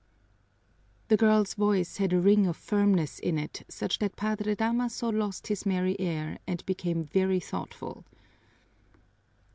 The girl's voice had a ring of firmness in it such that Padre Damaso lost his merry air and became very thoughtful.